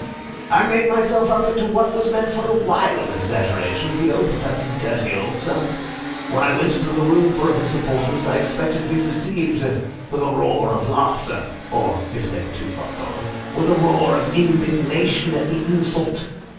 I made myself up into what was meant for a wild exaggeration of the old Professor's dirty old self. When I went into the room full of his supporters I expected to be received with a roar of laughter, or (if they were too far gone) with a roar of indignation at the insult.